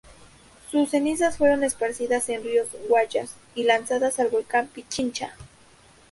Sus cenizas fueron esparcidas en río Guayas y lanzadas al volcán Pichincha.